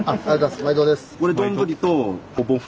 まいどです。